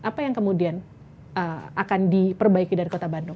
apa yang kemudian akan diperbaiki dari kota bandung